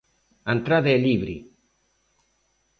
A entrada é libre.